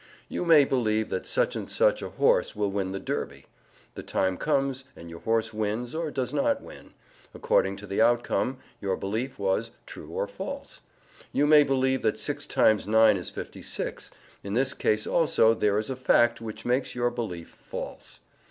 You may believe that such and such a horse will win the Derby. The time comes, and your horse wins or does not win; according to the outcome, your belief was true or false. You may believe that six times nine is fifty six; in this case also there is a fact which makes your belief false.